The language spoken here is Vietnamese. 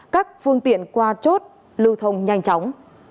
các phương tiện qua chốt lưu thông nhanh chóng